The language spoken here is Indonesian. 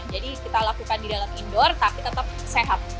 jadi kita lakukan di dalam indoor tapi tetap sehat